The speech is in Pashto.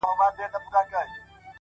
• د ژوندانه كارونه پاته رانه،